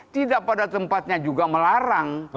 tidak pada tempatnya juga melarang